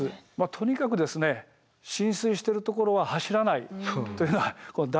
とにかく浸水してるところは走らないというのは大原則です。